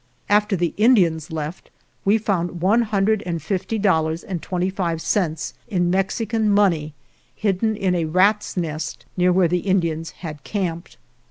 After the Indians left we found one hun dred and fifty dollars and twenty five cents ($150.25) in Mexican money hidden in a rat's nest 4 near where the Indians had camped.